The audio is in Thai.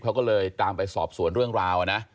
เขาก็เลยตามไปสอบสวนเรื่องราวนะ